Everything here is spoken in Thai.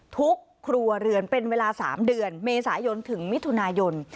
ครัวเรือนเป็นเวลา๓เดือนเมษายนถึงมิถุนายน